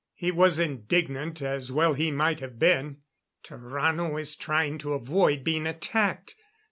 He was indignant, as well he might have been. "Tarrano is trying to avoid being attacked.